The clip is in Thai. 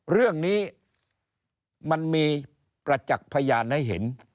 เรื่องนี้มันมีประจักษ์พยานให้เห็น